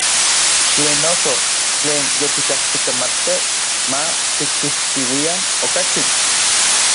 Tlen noso, tlen yotikajsikamatkej, ma tikchijtiuian okachi.